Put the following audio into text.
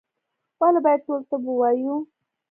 ولي باید ټول طب ووایو؟